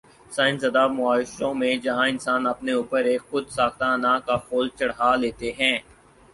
science زدہ معاشروں میں جہاں انسان اپنے اوپر ایک خود ساختہ انا کا خول چڑھا لیتے ہیں